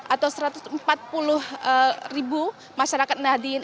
atau satu ratus empat puluh ribu masyarakat nahdien